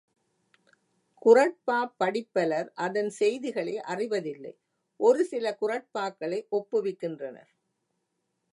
குறட்பாப் படிப்பலர் அதன் செய்திகளை அறிவதில்லை ஒரு சில குறட்பாக்களை ஒப்புவிக்கின்றனர்.